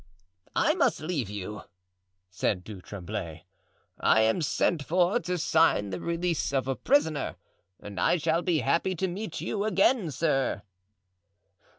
"I must leave you," said Du Tremblay; "I am sent for to sign the release of a prisoner. I shall be happy to meet you again, sir."